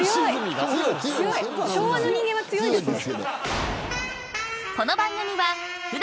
昭和の人間は強いですね。